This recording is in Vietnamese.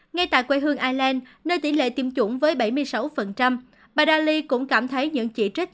ngay tại quê hương ireland nơi tỷ lệ tiêm chủng với bảy mươi sáu bà dali cũng cảm thấy những chỉ trích